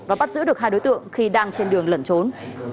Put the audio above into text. và bắt giữ được hai đối tượng khi đang trên đường lẩn trốn